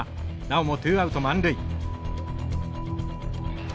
なおもツーアウト満塁。